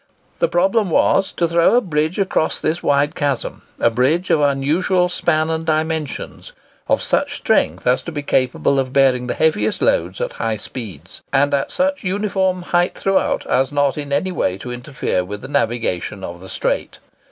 The problem was, to throw a bridge across this wide chasm—a bridge of unusual span and dimensions—of such strength as to be capable of bearing the heaviest loads at high speeds, and at such a uniform height throughout as not in any way to interfere with the navigation of the Strait.